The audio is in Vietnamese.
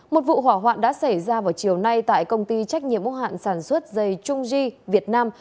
một vụ hỏa hoạn đã xảy ra vào chiều nay tại công ty trách nhiệm hóa hạn sản xuất dây chungji việt nam